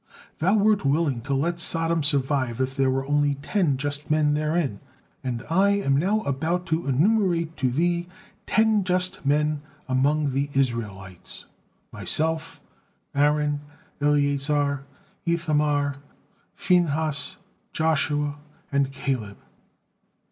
Thou wert willing to let Sodom survive if there were only ten just men therein, and I am now about to enumerate to Thee ten just men among the Israelites: myself, Aaron, Eleazar, Ithamar, Phinehas, Joshua, and Caleb."